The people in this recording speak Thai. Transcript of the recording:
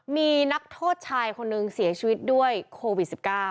มีนักโทษชายคนนึงเสียชีวิตด้วยโควิด๑๙